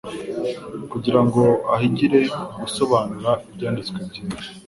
kugira ngo ahigire gusobanura Ibyanditswe byera.